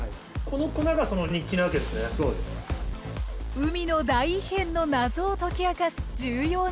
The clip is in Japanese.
海の大異変の謎を解き明かす重要な工程。